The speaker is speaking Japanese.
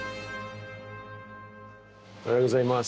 おはようございます。